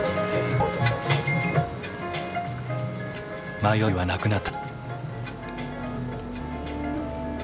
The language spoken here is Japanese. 迷いはなくなった。